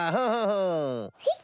はい。